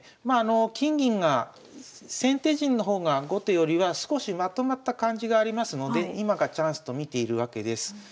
金銀が先手陣の方が後手よりは少しまとまった感じがありますので今がチャンスと見ているわけです。